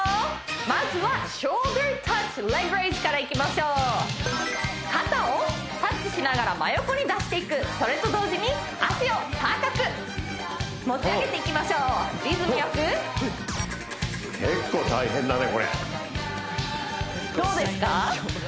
まずはショルダータッチレッグレイズからいきましょう肩をタッチしながら真横に出していくそれと同時に脚を高く持ち上げていきましょうリズムよく結構大変だねこれどうですか？